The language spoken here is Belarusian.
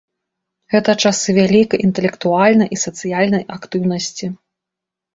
Гэта часы вялікай інтэлектуальнай і сацыяльнай актыўнасці.